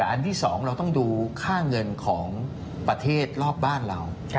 อันที่๒เราต้องดูค่าเงินของประเทศรอบบ้านเรา